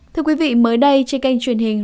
thưa quý vị mới đây trên kênh truyền hình